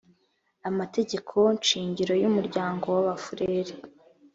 amategeko shingiro y umuryango w abafurere